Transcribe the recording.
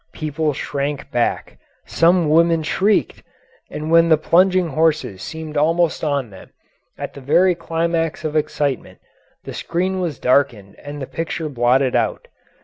People shrank back, some women shrieked, and when the plunging horses seemed almost on them, at the very climax of excitement, the screen was darkened and the picture blotted out.